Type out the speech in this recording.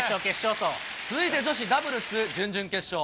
続いて女子ダブルス準々決勝。